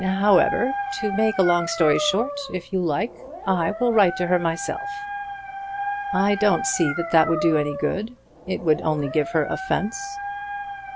However, to make a long story short, if you like, I will write to her myself." "I don't see that that would do any good. It would only give her offence."